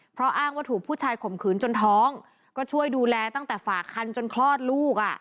เพราะอ้างว่าถูกผู้ชายข่มขืนจนท้องก็ช่วยดูแลตั้งแต่ฝากคันจนคลอดลูกอ่ะ